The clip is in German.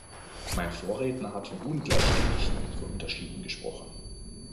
Mein Vorredner hat von Ungleichgewichten, von Unterschieden gesprochen.